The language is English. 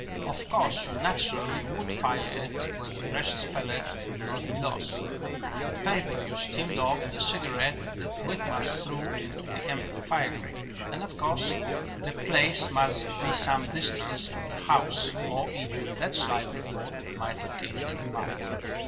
Of course you naturally would fire it where the precious pellet could not get lost the paper you steamed off the cigarette that Whitmarsh threw into the empty fire grate; and of course the place must be some distance from the house or even that slight report might occasion remark."